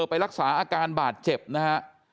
ไปรักษาอาการบาดเจ็บนะฮะ